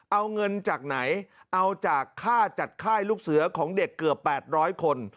เอาเงินจากไหนเอาจากค่าจัดค่ายลูกเสือของเด็กเกือบ๘๐๐คน